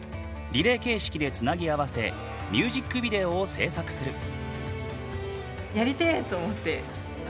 リレー形式でつなぎ合わせミュージックビデオを制作する。